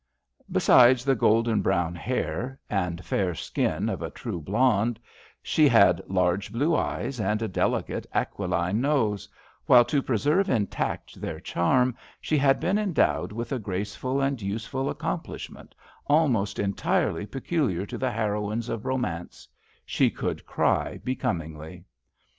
Besides the golden brown hair and fair skin of a true blonde, she r 8i HAMPSHIRE VIGNETTES had large blue eyes and a delicate aquiline nose, while to preserve intact their charm, she had been endowed with a graceful and useful accomplishment, almost entirely peculiar to the heroines of romance — she could cry becomingly.